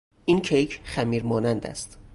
این کیک خمیر مانند است.